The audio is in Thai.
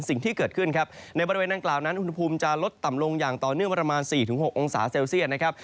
สิ่งที่เกิดขึ้นครับในบริเวณดังกล่าวนั้นอุณหภูมิจะลดต่ำลงอย่างต่อเนื่องประมาณ๔๖องศาเซลเซียตนะครับ